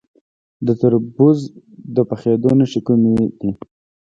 د تربوز د پخیدو نښې کومې دي؟